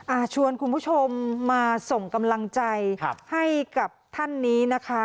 ชวนคุณผู้ชมมาส่งกำลังใจให้กับท่านนี้นะคะ